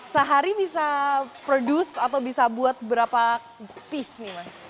sehari bisa produce atau bisa buat berapa piece nih mas